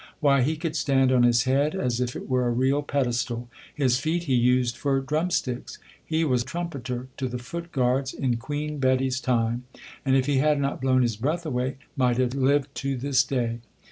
Why, he could stand on his head, as if it were a real pedestal ; his feet he used for drumsticks. He was trumpeter to the foot guards in Queen Betty's time ; and if he had not blown his breatk away, might have lived to this day.